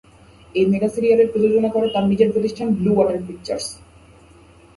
এই মেগা সিরিয়ালের প্রযোজনা করে তার নিজের প্রতিষ্ঠান, ব্লু ওয়াটার পিকচারস।